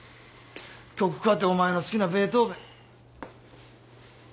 曲かてお前の好きなベートーヴェン。